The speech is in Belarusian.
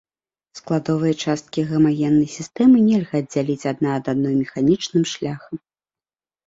Складовыя часткі гамагеннай сістэмы нельга аддзяліць адна ад адной механічным шляхам.